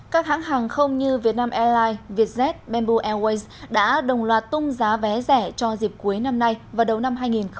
các hãng hàng không như vietnam airlines vietjet bamboo airways đã đồng loạt tung giá vé rẻ cho dịp cuối năm nay vào đầu năm hai nghìn hai mươi